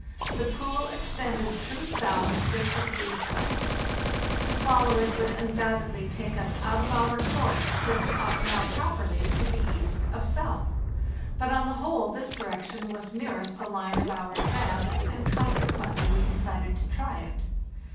The pool extended true S.50 W. To follow it would undoubtedly take us out of our course, which ought now properly to be east of south; but on the whole this direction was nearest the line of our advance, and consequently we decided to try it.